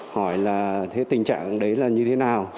hỏi là tình trạng đấy là như thế nào